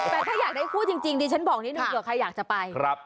แต่ถ้าอยากได้คู่จริงดิฉันบอกนิดนึงเผื่อใครอยากจะไป